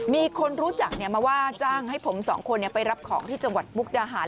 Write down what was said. มีคนรู้จักมาว่าจ้างให้ผมสองคนไปรับของที่จังหวัดมุกดาหาร